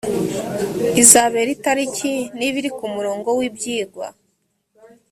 izabera itariki n ibiri ku murongo w ibyigwa